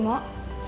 oke lagi ya